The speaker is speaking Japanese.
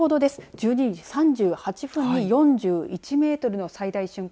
１２時３８分に４１メートルの最大瞬間